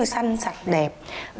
xanh sạch đẹp